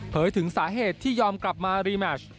เผยถึงสาเหตุที่ยอมกลับมารีแมช